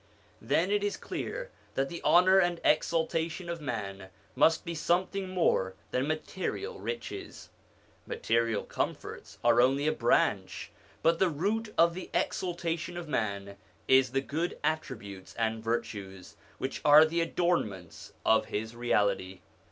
Then it is clear that the honour and exaltation of man must be something more than material riches; material comforts are only a branch, but the root of the exaltation of man is the good attributes and ON THE INFLUENCE OF THE PROPHETS 91 virtues which are the adornments of his reality.